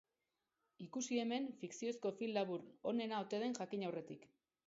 Ikusi hemen, fikziozko film labur onena ote den jakin aurretik.